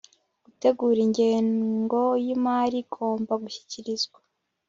gutegura ingengo y imari igomba gushyikirizwa